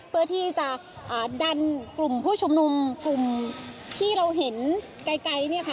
เพื่อที่จะดันกลุ่มผู้ชุมนุมกลุ่มที่เราเห็นไกล